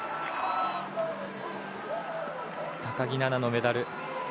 高木菜那のメダル。